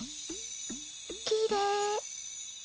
きれい。